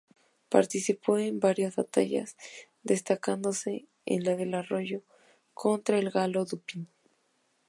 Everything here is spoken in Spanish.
Participó en varias batallas, destacándose en la de Arroyo contra el galo Dupin.